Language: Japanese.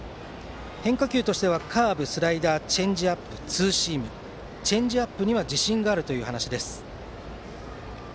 変化球としてはカーブスライダーチェンジアップ、ツーシームチェンジアップには自信があるという話です。